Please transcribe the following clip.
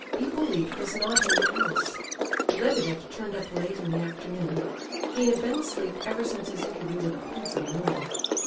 Hippolyte was not in the house. Lebedeff turned up late in the afternoon; he had been asleep ever since his interview with the prince in the morning.